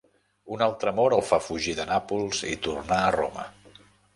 Un altre amor el fa fugir de Nàpols i tornar a Roma.